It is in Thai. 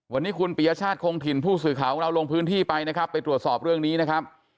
วันนี้คุณปียชาติคงถิ่นผู้สื่อข่าวของเราลงพื้นที่ไปนะครับไปตรวจสอบเรื่องนี้นะครับ